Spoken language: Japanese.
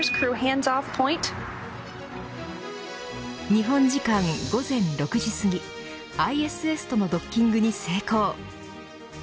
日本時間午前６時すぎＩＳＳとのドッキングに成功。